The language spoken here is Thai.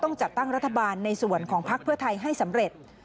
จัดตั้งรัฐบาลในส่วนของพักเพื่อไทยให้สำเร็จ